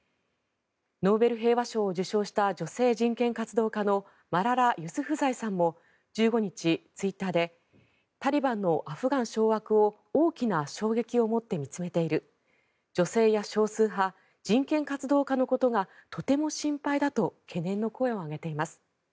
ノーベル平和賞を受賞した女性人権活動家のマララ・ユスフザイさんも１５日、ツイッターでタリバンのアフガン掌握を大きな衝撃をもって見つめている女性や少数派人権活動家のことがとても心配だと懸念の声を上げています。